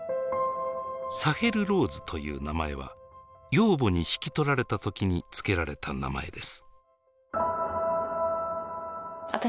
「サヘル・ローズ」という名前は養母に引き取られた時に付けられた名前です。